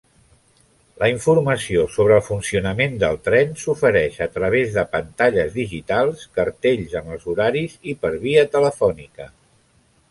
La informació sobre el funcionament del tren s'ofereix a través de pantalles digitals, cartells amb els horaris i per via telefònica.